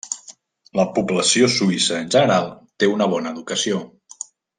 La població suïssa en general té una bona educació.